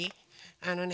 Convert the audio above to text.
あのね。